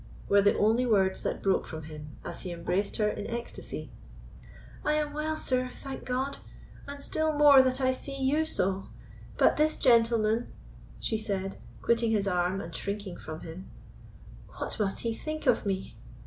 were the only words that broke from him as he embraced her in ecstasy. "I am well, sir, thank God! and still more that I see you so; but this gentleman," she said, quitting his arm and shrinking from him, "what must he think of me?"